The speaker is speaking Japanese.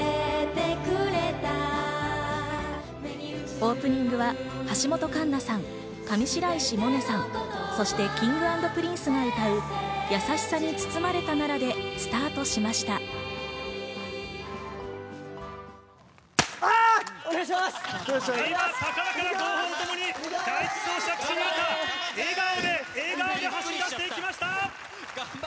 オープニングは橋本環奈さん、上白石萌音さん、そしてＫｉｎｇ＆Ｐｒｉｎｃｅが歌う『やさしさに包まれたなら』でスタートしました。